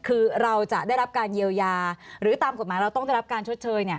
คือเราจะได้รับการเยียวยาหรือตามกฎหมายเราต้องได้รับการชดเชย